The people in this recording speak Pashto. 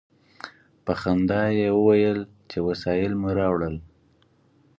په خندا یې وویل چې وسایل مو راوړل.